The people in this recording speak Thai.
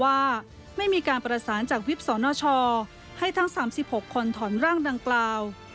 ว่าไม่มีการประสานจากวิบสนชให้ทั้ง๓๖คนถอนร่างดังกล่าว